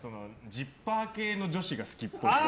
ジッパー系の女子が好きっぽい。